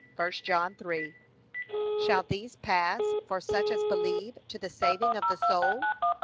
(1 John 3) Shall these pass for such as believe to the saving of the soul?